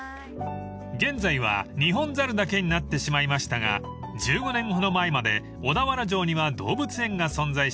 ［現在はニホンザルだけになってしまいましたが１５年ほど前まで小田原城には動物園が存在し